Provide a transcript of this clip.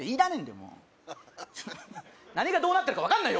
もう何がどうなってるか分かんないよ！